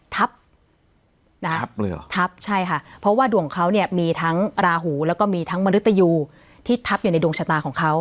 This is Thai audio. ทับเลยเหรอทับใช่ค่ะเพราะว่าดวงเขาเนี่ยมีทั้งราหูแล้วก็มีทั้งมนุษยูที่ทับอยู่ในดวงชะตาของเขา